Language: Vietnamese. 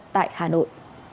tại hà nội